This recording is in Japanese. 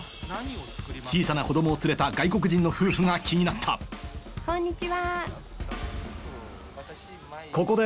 小さな子供を連れた外国人の夫婦が気になったこんにちは。